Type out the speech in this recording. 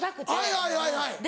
はいはいはいはい。